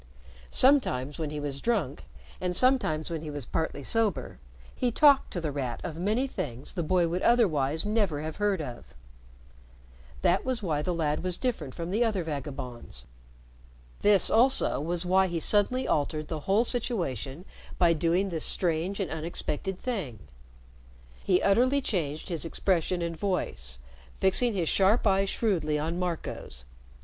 Sometimes when he was drunk, and sometimes when he was partly sober, he talked to The Rat of many things the boy would otherwise never have heard of. That was why the lad was different from the other vagabonds. This, also, was why he suddenly altered the whole situation by doing this strange and unexpected thing. He utterly changed his expression and voice, fixing his sharp eyes shrewdly on Marco's.